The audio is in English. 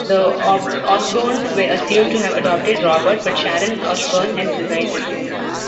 The Osbournes were assumed to have adopted Robert, but Sharon Osbourne has denied this.